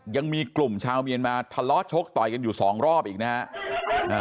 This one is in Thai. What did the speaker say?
ยังมีกลุ่มชาวเมียนมาทะเลาะชกต่อยกันอยู่สองรอบอีกนะฮะ